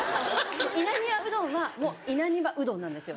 稲庭うどんはもう稲庭うどんなんですよ。